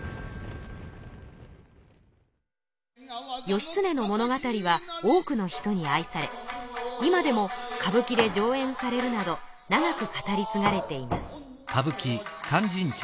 義経の物語は多くの人に愛され今でも歌舞伎で上演されるなど長く語りつがれています。